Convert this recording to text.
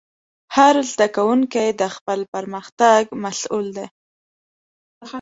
هر زده کوونکی د خپل پرمختګ مسؤل و.